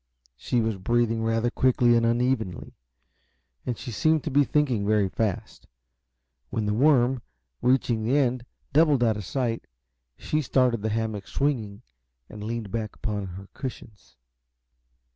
She was breathing rather quickly and unevenly, and she seemed to be thinking very fast. When the worm, reaching the end, doubled out of sight, she started the hammock swinging and leaned back upon her cushions.